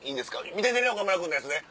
見ててね岡村君のやつね。